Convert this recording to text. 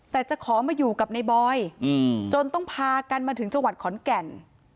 แต่จะขอมาอยู่กับในบอยจนต้องพากันมาถึงจังหวัดขอนแก่น